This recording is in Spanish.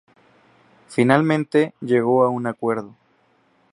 Finalmente, llegó a un acuerdo.